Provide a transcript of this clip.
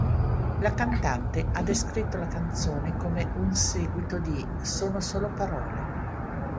La cantante ha descritto la canzone come un seguito di "Sono solo parole".